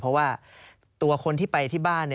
เพราะว่าตัวคนที่ไปที่บ้าน